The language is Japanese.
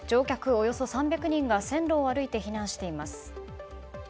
およそ３００人が線路を歩いて避難しています。